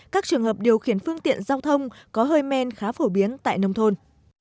các trường hợp điều khiển phương tiện giao thông có hơi men khá phổ biến tại nông thôn